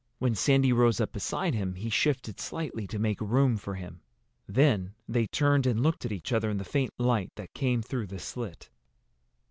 When Sandy rose up beside him he shifted slightly to make room for him. Then they turned and looked at each other in the faint light that came through the slit.